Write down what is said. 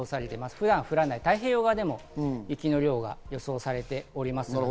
普段は降らない太平洋側でも雪の量が予想されておりますので。